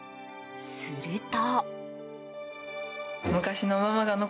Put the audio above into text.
すると。